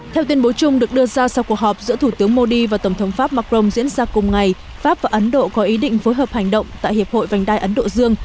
theo tuyên bố chung được đưa ra sau cuộc họp giữa thủ tướng modi và tổng thống pháp macron diễn ra cùng ngày pháp và ấn độ có ý định phối hợp hành động tại hiệp hội vành đai ấn độ dương